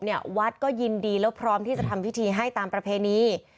วัดก็ยินดีแล้วพร้อมที่จะทำพิธีให้ตามประเพณี